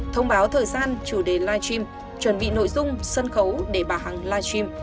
thông báo thời gian chủ đề live stream chuẩn bị nội dung sân khấu để bà hằng live stream